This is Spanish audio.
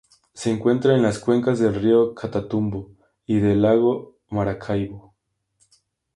Se encuentra en las cuencas del río Catatumbo y del lago Maracaibo.